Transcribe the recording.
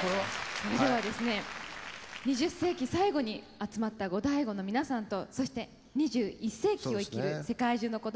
それではですね２０世紀最後に集まったゴダイゴの皆さんとそして２１世紀を生きる世界中のこどもたち。